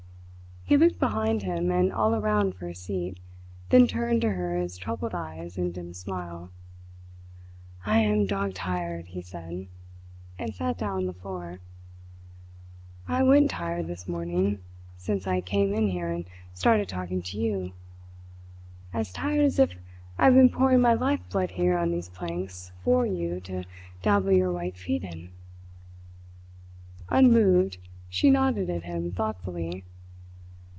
He looked behind him and all around for a seat, then turned to her his troubled eyes and dim smile. "I am dog tired," he said, and sat down on the floor. "I went tired this morning, since I came in here and started talking to you as tired as if I had been pouring my life blood here on these planks for you to dabble your white feet in." Unmoved, she nodded at him thoughtfully.